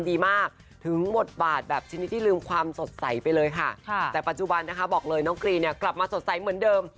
ดีมากถึงบทบาทแบบชนิดที่ลืมความสดใสไปเลยค่ะแต่ปัจจุบันนะคะบอกเลยน้องกรีนเนี่ยกลับมาสดใสเหมือนเดิม